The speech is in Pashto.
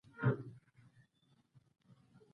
د سوداګرۍاو د خلکو ترمنځ